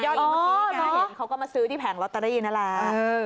เห็นเขาก็มาซื้อที่แผงลอตเตอรี่นั่นแหละ